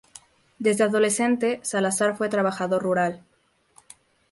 Desde adolescente, Salazar fue trabajador rural.